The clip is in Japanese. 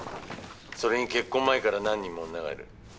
それに結婚前から何人も女がいる。